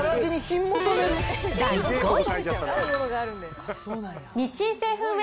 第５位。